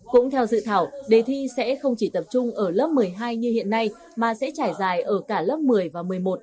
cũng theo dự thảo đề thi sẽ không chỉ tập trung ở lớp một mươi hai như hiện nay mà sẽ trải dài ở cả lớp một mươi và một mươi một